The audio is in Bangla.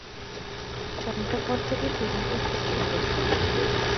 সন্ধ্যার পর থেকে শুরু হলো প্রচণ্ড ঝড়।